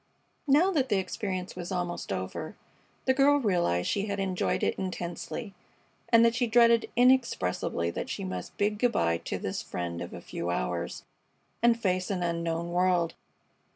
Now that the experience was almost over, the girl realized that she had enjoyed it intensely, and that she dreaded inexpressibly that she must bid good by to this friend of a few hours and face an unknown world.